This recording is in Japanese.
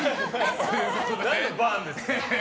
何のバーンですか？